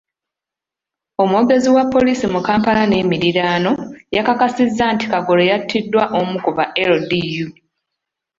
Omwogezi wa poliisi mu Kampala n'emiriraano, yakakasizza nti Kagolo yattiddwa omu ku ba LDU.